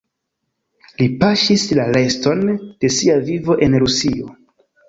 Li paŝis la reston de sia vivo en Rusio.